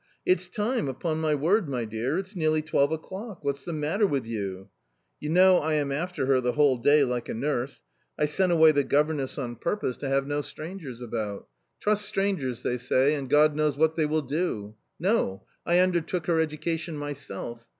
" It's time, upon my word, my dear ; it's nearly twelve o'clock, what's the matter with you ?" You know I am after her the whole day like a nurse. I sent away the governess on purpose to 90 A COMMON STORY have no strangers about. Trust strangers, they say, and God knows what they will do ! No ! I undertook her education myself.